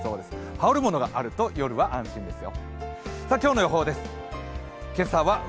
羽織るものがあると夜は安心ですよ。